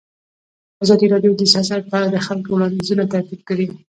ازادي راډیو د سیاست په اړه د خلکو وړاندیزونه ترتیب کړي.